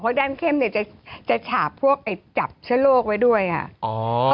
ด้ามเข้มเนี่ยจะฉาบพวกไอ้จับเชื้อโรคไว้ด้วยค่ะ